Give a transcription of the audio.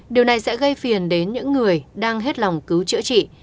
điều này sẽ gây phiền đến những người đang hết lòng cứu chữa trị